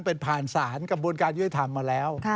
เป็นผ่านศาลกระบวนการยุติธรรมมาแล้ว